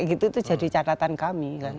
itu jadi catatan kami